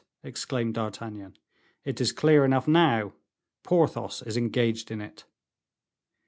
exclaimed D'Artagnan; "it is clear enough now. Porthos is engaged in it."